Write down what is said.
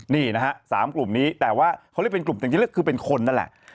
นี่นะฮะ๓กลุ่มนี้แต่ว่าเขาเรียกเป็นกลุ่มจริงเรียกคือเป็นคนนั่นแหละ